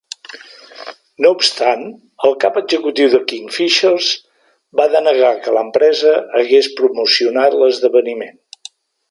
No obstant, el cap executiu de Kingfishers va denegar que l'empresa hagués promocionat l'esdeveniment.